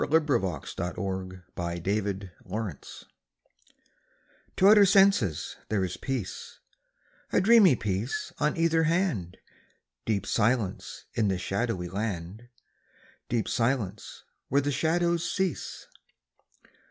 fi4S] II LA FUITE DE LA LUNE TO outer senses there is peace, A dreamy peace on either hand, Deep silence in the shadowy land, Deep silence where the shadows cease.